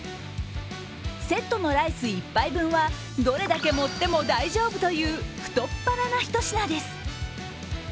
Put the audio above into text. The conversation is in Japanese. セットのライス１杯分はどれだけ盛っても大丈夫という太っ腹なひと品です。